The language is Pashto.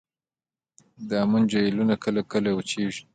د هامون جهیلونه کله کله وچیږي